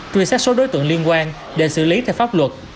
truy sát số đối tượng liên quan để xử lý theo pháp luật